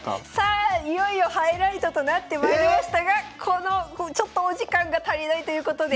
いよいよハイライトとなってまいりましたがちょっとお時間が足りないということで。